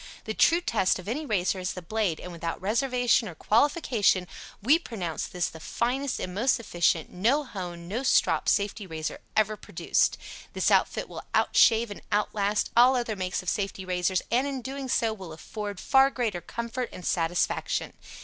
The true test of any razor is the blade, and without reservation or qualification, we pronounce this the finest and most efficient "No Hone, No Strop" Safety Razor ever produced. This outfit will out shave and out last all other makes of safety razors and, in doing so, will afford far greater comfort and satisfaction.